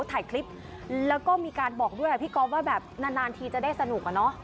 ถ่ายคลิปแล้วก็มีการบอกด้วยพี่ก๊อฟว่าแบบนานนานทีจะได้สนุกอะเนาะ